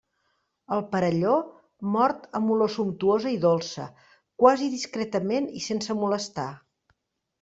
El perelló mor amb olor sumptuosa i dolça, quasi discretament i sense molestar.